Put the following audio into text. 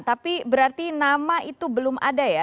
tapi saya ingin tahu ini belum ada ya